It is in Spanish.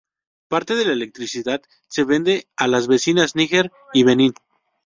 Parte de la electricidad se vende a las vecinas Níger y Benín.